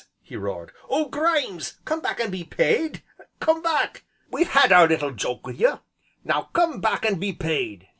he roared, "Oh! Grimes, come back an' be paid. Come back we've had our little joke wi' you, now come back an' be paid!"